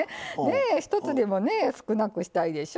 一つでもねぇ少なくしたいでしょ。